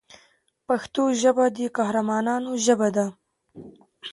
پښتو ژبه د قهرمانانو ژبه ده.